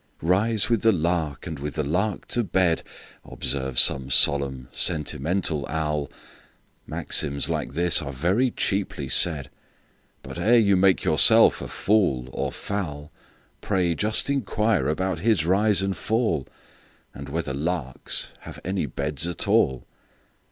"Rise with the lark, and with the lark to bed,"Observes some solemn, sentimental owl; Maxims like these are very cheaply said; But, ere you make yourself a fool or fowl, Pray just inquire about his rise and fall, And whether larks have any beds at all!